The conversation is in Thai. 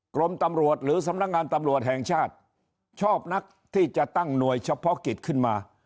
กรมตำรวจหรือสำนักงานตำรวจแห่งชาติชอบนักที่จะตั้งหน่วยเฉพาะกิจขึ้นมา